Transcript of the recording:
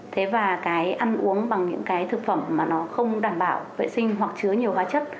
thế và cái ăn uống bằng những cái thực phẩm mà nó không đảm bảo vệ sinh hoặc chứa nhiều hóa chất